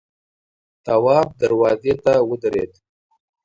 تواب دروازې ته ودرېد.